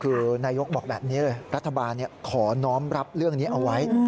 คือนายกบอกแบบนี้เลยรัฐบาลขอน้องรับเรื่องนี้เอาไว้